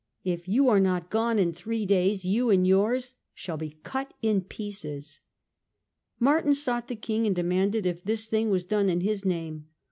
If you are not gone in three days, you and yours shall be cut in pieces." Martin sought the King and demanded if this thing was done in his name.